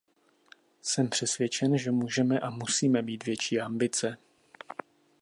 Jsem přesvědčen, že můžeme a musíme mít větší ambice.